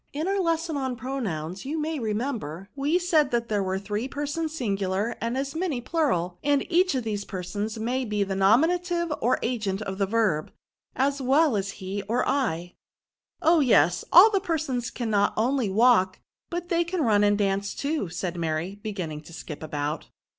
In our le^ son on pronouns, you may remember, we fiaid, there were three persons singular and as many plural ; and each of these persons may be the nominative, or agent of the verb, as well as he or /."'' Oh yes ; all the persons can not only walk, but they can run and dance too,'* said Mary, beginning to skip about.